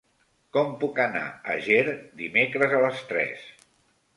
Com puc anar a Ger dimecres a les tres?